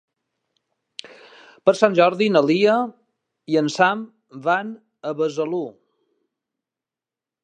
Per Sant Jordi na Lia i en Sam van a Besalú.